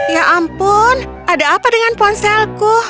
ya ampun ada apa dengan ponselku